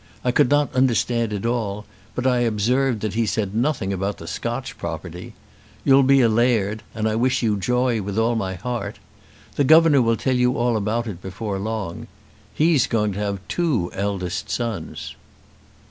I could not understand it all, but I observed that he said nothing about the Scotch property. You'll be a laird, and I wish you joy with all my heart. The governor will tell you all about it before long. He's going to have two eldest sons."